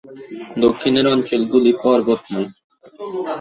দক্ষিণের অঞ্চলগুলি পর্বতময়।